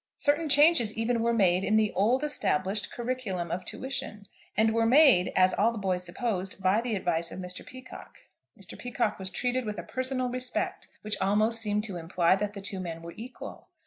Certain changes even were made in the old established "curriculum" of tuition, and were made, as all the boys supposed, by the advice of Mr. Peacocke. Mr. Peacocke was treated with a personal respect which almost seemed to imply that the two men were equal.